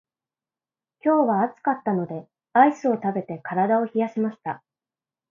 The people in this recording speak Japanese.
今日は暑かったのでアイスを食べて体を冷やしました。